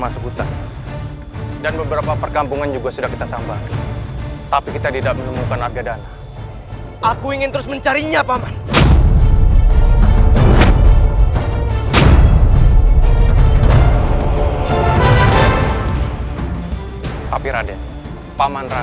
sampai jumpa di video selanjutnya